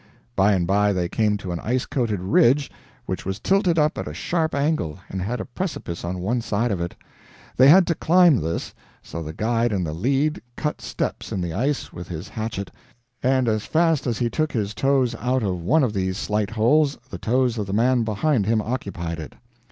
By and by they came to an ice coated ridge which was tilted up at a sharp angle, and had a precipice on one side of it. They had to climb this, so the guide in the lead cut steps in the ice with his hatchet, and as fast as he took his toes out of one of these slight holes, the toes of the man behind him occupied it.